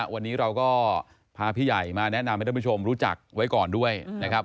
วันนี้เราก็พาพี่ใหญ่มาแนะนำให้ท่านผู้ชมรู้จักไว้ก่อนด้วยนะครับ